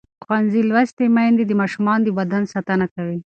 ښوونځې لوستې میندې د ماشومانو د بدن ساتنه کوي.